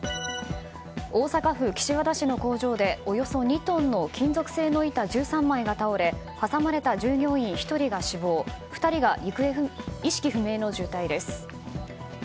大阪府岸和田市の工場でおよそ２トンの金属製の板１３枚が倒れ挟まれた従業員１人が死亡２人が意識不明の重体です。